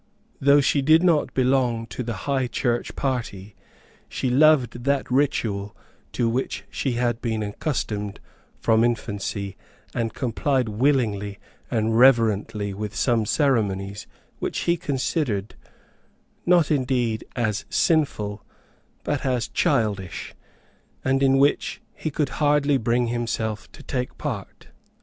Though she did not belong to the High Church party, she loved that ritual to which she had been accustomed from infancy, and complied willingly and reverently with some ceremonies which he considered, not indeed as sinful, but as childish, and in which he could hardly bring himself to take part.